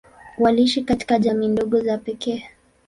Waliishi katika jamii ndogo za pekee.